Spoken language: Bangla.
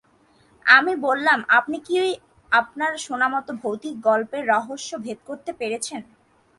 আমি বললাম, আপনি কি আপনার শোনামতো ভৌতিক গল্পের রহস্য ভেদ করতে পেরেছেন?